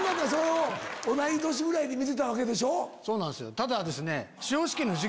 ただですね。